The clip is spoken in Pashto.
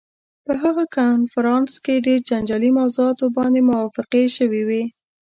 په هغه کنفرانس کې ډېرو جنجالي موضوعاتو باندې موافقې شوې وې.